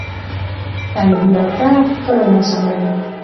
تنگي وردک ښکلی موسم لري